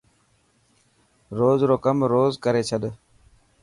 روز رو ڪم روز ڪري ڇڏ.